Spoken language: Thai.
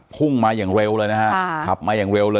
พุ่งมาอย่างเร็วเลยนะฮะขับมาอย่างเร็วเลย